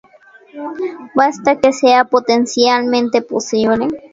Basta que sea potencialmente posible.